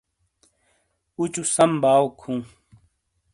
اوچو سم باؤک ہوں۔